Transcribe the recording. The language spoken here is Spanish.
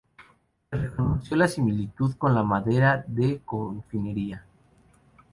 Se reconoció la similitud con la madera de conífera.